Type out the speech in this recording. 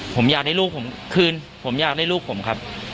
ผมอยากได้ลูกผมคืนผมอยากได้ลูกผมครับ